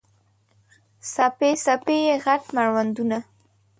څپې، څپې یې، غټ مړوندونه